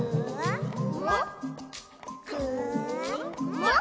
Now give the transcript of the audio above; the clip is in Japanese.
「もっ？